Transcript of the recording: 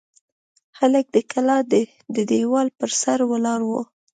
هلک د کلا د دېوال پر سر ولاړ و.